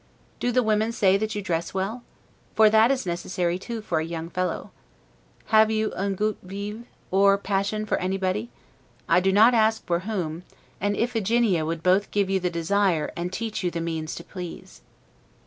Do the women say that you dress well? for that is necessary too for a young fellow. Have you 'un gout vif', or a passion for anybody? I do not ask for whom: an Iphigenia would both give you the desire, and teach you the means to please.